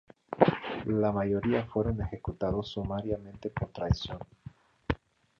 La mayoría fueron ejecutados sumariamente por traición.